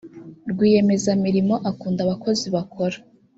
rwiyemezamirimo akunda abakozi bakora.